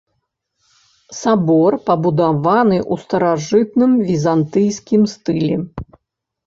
Сабор пабудаваны ў старажытным візантыйскім стылі.